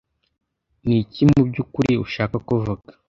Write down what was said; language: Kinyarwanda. Niki mubyukuri ushaka kuvuga?